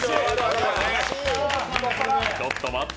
ちょっと待って。